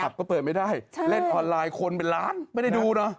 ก็เปิดไม่ได้เล่นออนไลน์คนเป็นล้านไม่ได้ดูนะ